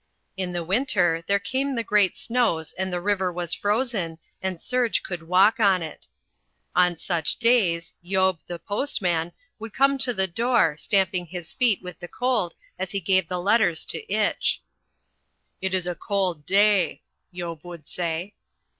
In the winter there came the great snows and the river was frozen and Serge could walk on it. On such days Yob, the postman, would come to the door, stamping his feet with the cold as he gave the letters to Itch. "It is a cold day," Yob would say.